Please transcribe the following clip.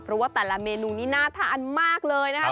เพราะว่าแต่ละเมนูนี้น่าทานมากเลยนะครับ